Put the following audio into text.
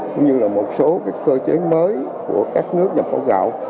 cũng như là một số cái cơ chế mới của các nước dập khẩu gạo